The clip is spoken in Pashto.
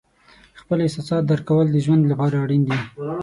خپل احساسات درک کول د ژوند لپاره اړین دي.